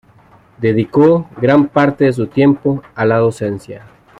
Dedicó gran parte de su tiempo a la docencia.